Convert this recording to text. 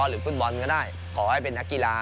หรือฟุตบอลก็ได้ขอให้เป็นนักกีฬา